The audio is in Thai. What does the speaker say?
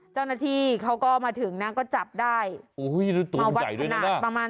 เจ้านาทีเขาก็มาถึงนะก็จับได้โอ้โหนอย่างใหญ่ด้วยมาวัดขนาดประมาณ